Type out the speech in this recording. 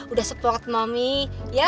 udah support mami ya